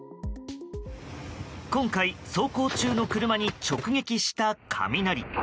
今回、走行中の車に直撃した雷。